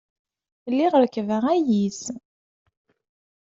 Lliɣ rekkbeɣ ayis.